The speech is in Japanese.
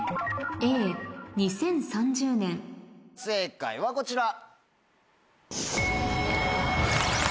２０３０年正解はこちら。